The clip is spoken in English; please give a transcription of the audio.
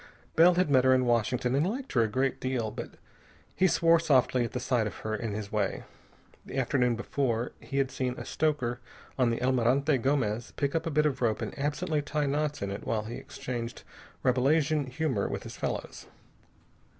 Bell had met her in Washington and liked her a great deal, but he swore softly at sight of her in his way. The afternoon before, he had seen a stoker on the Almirante Gomez pick up a bit of rope and absently tie knots in it while he exchanged Rabelasian humor with his fellows.